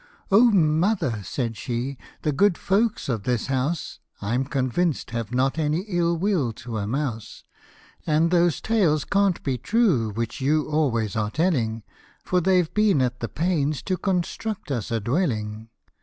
" Oh mother!" said she, "the good folks of this house, I'm convinced, have not any ill will to a mouse, And those tales can't be true which you always are telling, For they've been at the pains to construct us a dwelling.